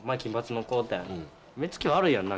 目つき悪いやんな？